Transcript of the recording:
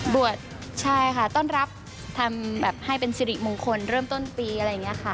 บวชใช่ค่ะต้อนรับทำแบบให้เป็นสิริมงคลเริ่มต้นปีอะไรอย่างนี้ค่ะ